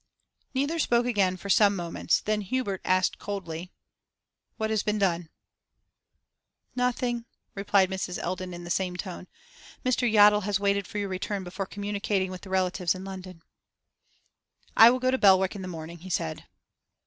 Neither spoke again for some moments; then Hubert asked coldly 'What has been done?' 'Nothing,' replied Mrs. Eldon, in the same tone. 'Mr. Yottle has waited for your return before communicating with the relatives in London.' 'I will go to Belwick in the morning,' he said.